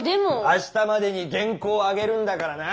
あしたまでに原稿を上げるんだからな。